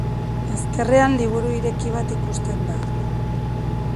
Ezkerrean liburu ireki bat ikusten da.